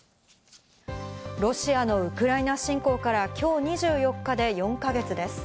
ロシアのウクライナ侵攻から今日、２４日で４か月です。